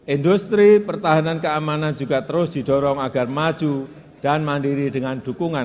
industri pertahanan keamanan juga terus didorong agar maju dan mandiri dengan dukungan